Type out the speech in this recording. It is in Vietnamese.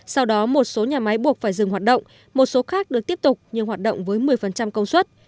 sau đó một số nhà máy buộc phải dừng hoạt động một số khác được tiếp tục nhưng hoạt động với một mươi công suất